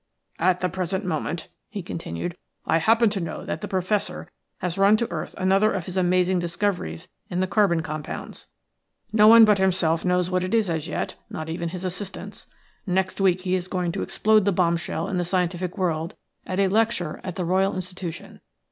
"At the present moment," he continued, "I happen to know that the Professor has run to earth another of his amazing discoveries in the carbon compounds. No one but himself knows what it is as yet, not even his assistants. Next week he is going to explode the bomb shell in the scientific world at a lecture at the Royal Institution.